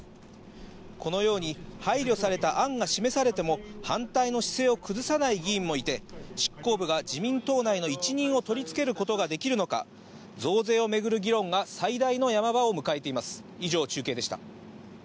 このように、配慮された案が示されても、反対の姿勢を崩さない議員もいて、執行部が自民党内の一任を取りつけることができるのか、増税を巡る議論が最大のヤマ場を迎えています。